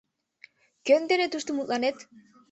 Кӧн дене тушто мутланет?